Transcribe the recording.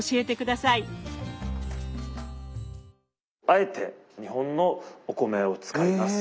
あえて日本のお米を使います。